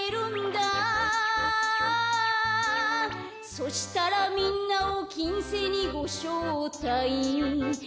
「そしたらみんなをきんせいにごしょうたいんいんん」